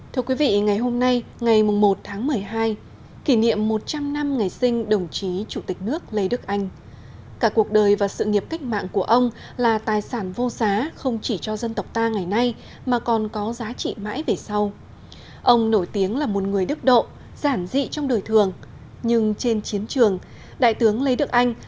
thưa quý vị ngày hôm nay ngày một tháng một mươi hai kỷ niệm một trăm linh năm ngày sinh đồng chí chủ tịch nước lê đức anh